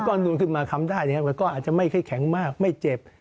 ก็นวลขึ้นมาคำได้นะครับแล้วก็อาจจะไม่ค่อยแข็งมากไม่เจ็บ